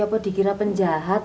apa dikira penjahat